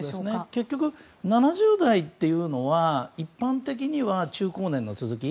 結局、７０代というのは一般的には中高年の続き。